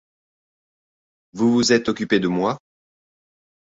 Vous vous êtes occupée de moi ?